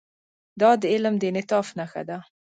دا د علم د انعطاف نښه ده.